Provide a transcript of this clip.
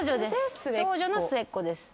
長女の末っ子です。